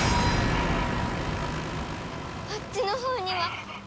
あっちのほうには。